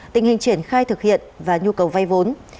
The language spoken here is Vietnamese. tình hình triển khai thực hiện và nhu cầu vay vốn